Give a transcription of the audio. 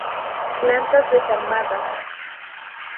Plantas desarmadas.